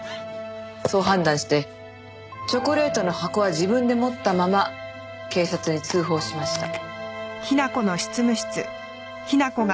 そう判断してチョコレートの箱は自分で持ったまま警察に通報しました。